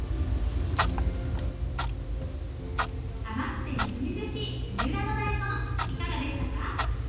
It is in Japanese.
甘くてみずみずしい三浦の大根いかがでしたか？